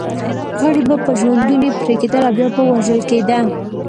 غړي به په ژوندوني پرې کېدل او بیا به وژل کېده.